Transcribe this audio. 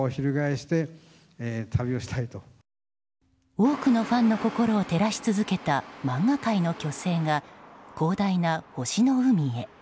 多くのファンの心を照らし続けた漫画界の巨星が広大な星の海へ。